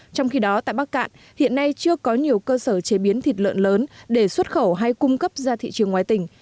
trong khi đó tại bắc cạn hiện nay chưa có nhiều cơ sở chế biến thịt lợn lớn để xuất khẩu hay cung cấp ra thị trường ngoài tỉnh